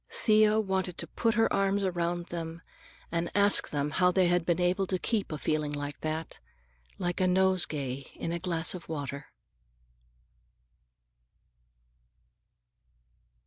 Thea wanted to put her arms around them and ask them how they had been able to keep a feeling like that, like a nosegay in a glass of water.